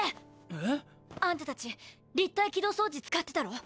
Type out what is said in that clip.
えぇ⁉あんたたち立体機動装置使ってたろ？